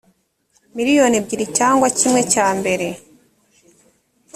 miliyoni ebyiri cyangwa kimwe cyambere